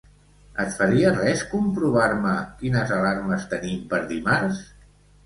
Et faria res comprovar-me quines alarmes tenim per dimarts?